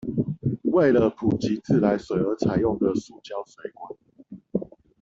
為了普及自來水而採用的塑膠水管